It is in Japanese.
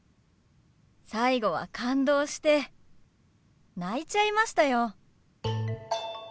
最後は感動して泣いちゃいましたよ。